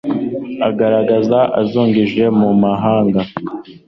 Akaraga azungije mu gahanga